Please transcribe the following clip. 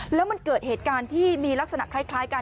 แล้วมันเกิดเหตุการณ์ที่มีลักษณะคล้ายกัน